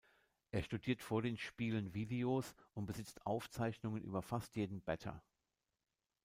Er studiert vor den Spielen Videos und besitzt Aufzeichnungen über fast jeden Batter.